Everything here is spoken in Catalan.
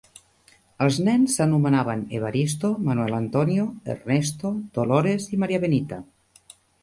Els nens s'anomenaven Evaristo, Manuel Antonio, Ernesto, Dolores i Maria Benita.